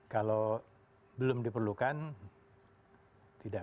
kalau belum diperlukan tidak